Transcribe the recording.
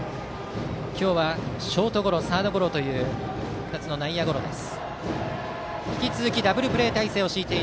今日はショートゴロサードゴロという２つの内野ゴロです。